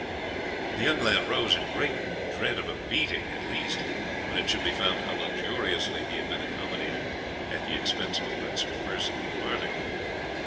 The lad rose in great dread of a beating, at least, when it should be found how luxuriously he had been accommodated at the expense of a principal person of the party.